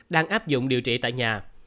đang áp dụng điều trị tại nhà